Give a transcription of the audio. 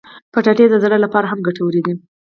کچالو د زړه لپاره هم ګټور دي